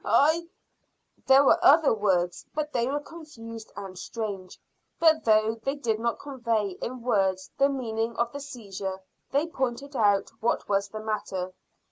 I " There were other words, but they were confused and strange; but though they did not convey in words the meaning of the seizure, they pointed out what was the matter.